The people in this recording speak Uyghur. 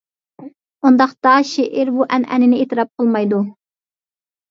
ئۇنداقتا شېئىر بۇ ئەنئەنىنى ئېتىراپ قىلمايدۇ.